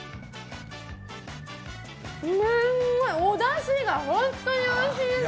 すっごいおだしが本当においしいです！